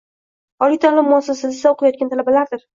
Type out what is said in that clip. Oliy taʼlim muassasasida oʻqiyotgan talabalardir